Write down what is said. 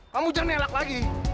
kamu jangan nelak lagi